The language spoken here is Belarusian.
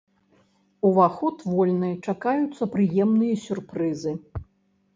Уваход вольны, чакаюцца прыемныя сюрпрызы.